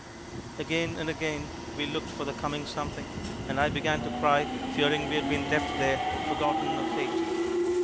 Again and again we looked for the coming something, and I began to cry, fearing we had been left there, forgotten of Fate.